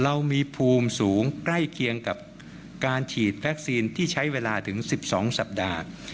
เรามีภูมิสูงใกล้เคียงกับการฉีดวัคซีนที่ใช้เวลาถึง๑๒สัปดาห์